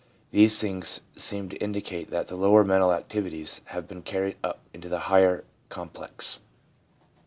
These things seem to indicate that the lower mental activities have been carried up into the higher complex.